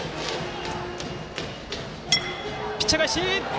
ピッチャー返し！